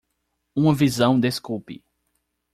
Uma visão desculpe